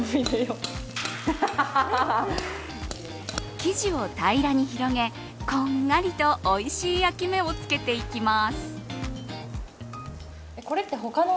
生地を平らに広げこんがりとをおいしい焼き目をつけていきます。